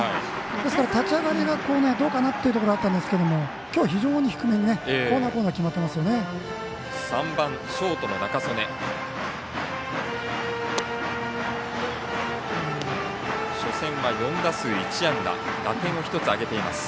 ですから立ち上がりがどうかなというところがあったんですが今日非常に低めに、コーナーコーナーで決まっていますね。